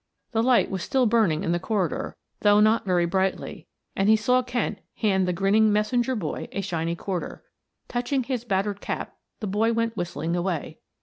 The light was still burning in the corridor, though not very brightly, and he saw Kent hand the grinning messenger boy a shiny quarter. Touching his battered cap the boy went whistling away.